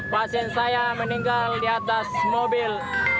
pasien saya meninggal di atas mobil